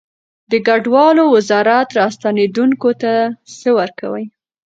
د کډوالو وزارت راستنیدونکو ته څه ورکوي؟